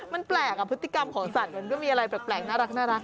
มันแปลกพฤติกรรมของสัตว์มันก็มีอะไรแปลกน่ารัก